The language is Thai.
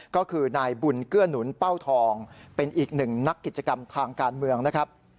ก็คือนายบุญเกื้อหนุนเป้าทองเป็นอีกหนึ่งนักกิจกรรมทางการเมืองนะครับ